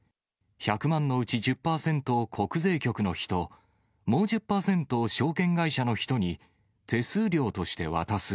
１００万のうち１０％を国税局の人、もう１０％を証券会社の人に手数料として渡す。